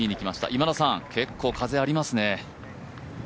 今田さん、結構、風ありますね。